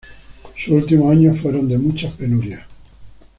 Sus últimos años fueron de muchas penurias.